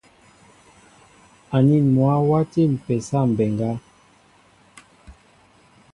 Anin mwă wati mpésa mbéŋga.